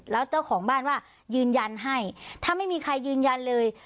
แล้วเจ้าของบ้านว่ายืนยันให้ถ้าไม่มีใครยืนยันเลย